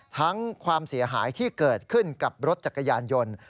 ความเสียหายที่เกิดขึ้นกับรถจักรยานยนต์